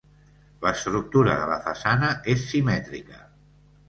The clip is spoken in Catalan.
L'estructura de la façana és simètrica.